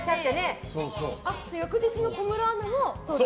翌日の小室アナも。